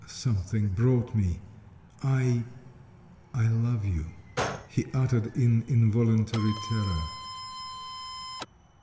"Something brought me.... I I love you," he uttered in involuntary terror.